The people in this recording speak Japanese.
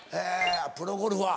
プロゴルファー。